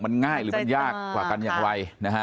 มันง่ายหรือมันยากกว่ากันอย่างไรนะฮะ